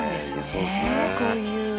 「そうですね」